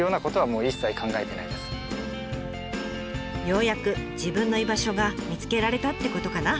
ようやく自分の居場所が見つけられたってことかな。